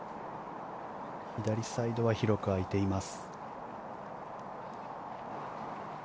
左サイドは広く開いています。